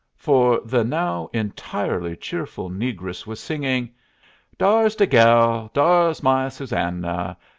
For the now entirely cheerful negress was singing: "'Dar's de gal, dar's my Susanna.